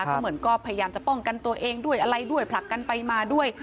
ก็เหมือนก็พยายามจะป้องกันตัวเองด้วยอะไรด้วยผลักกันไปมาด้วย